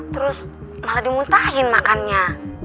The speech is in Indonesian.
terus malah dimuntahin makannya